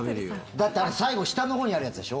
だって、あれ最後下のほうにあるやつでしょ？